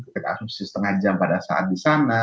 kita asumsi setengah jam pada saat di sana